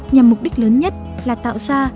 nhằm mục đích lớn nhất là tạo ra